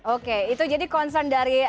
oke itu jadi concern dari